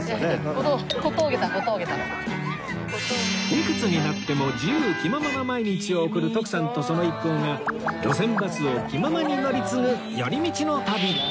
いくつになっても自由気ままな毎日を送る徳さんとその一行が路線バスを気ままに乗り継ぐ寄り道の旅